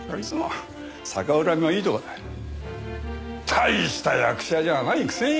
大した役者じゃないくせに。